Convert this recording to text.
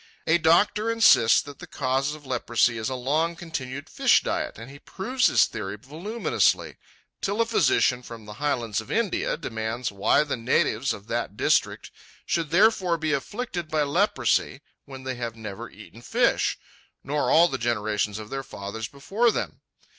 A doctor insists that the cause of leprosy is a long continued fish diet, and he proves his theory voluminously till a physician from the highlands of India demands why the natives of that district should therefore be afflicted by leprosy when they have never eaten fish, nor all the generations of their fathers before them.